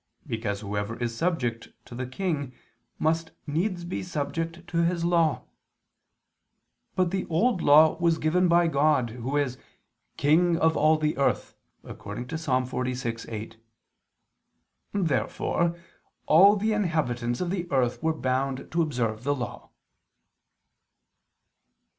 Because whoever is subject to the king, must needs be subject to his law. But the Old Law was given by God, Who is "King of all the earth" (Ps. 46:8). Therefore all the inhabitants of the earth were bound to observe the Law.